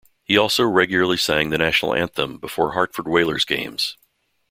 He also regularly sang the national anthem before Hartford Whalers games.